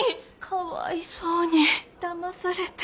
かわいそうにだまされて。